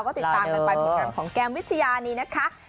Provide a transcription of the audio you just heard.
ก็ติดตามกันไปผลงานของแก้มวิทยานี้นะคะ